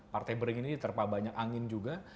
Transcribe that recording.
partai bereng ini terpabanyak angin juga